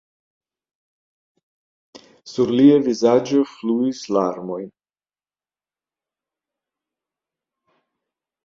Sur lia vizaĝo fluis larmoj.